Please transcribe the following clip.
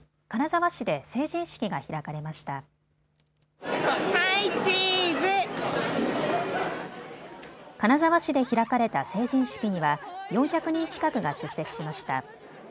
金沢市で開かれた成人式には４００人近くが出席しました。